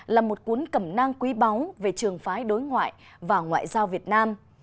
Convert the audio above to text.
là một cuốn cẩm nang quý báu về trường phái đối ngoại và ngoại giao việt nam